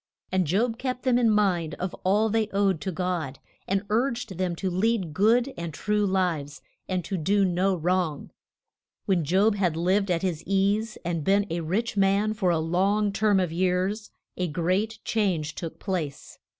And Job kept them in mind of all they owed to God, and urged them to lead good and true lives, and to do no wrong. When Job had lived at his ease and been a rich man for a long term of years, a great change took place.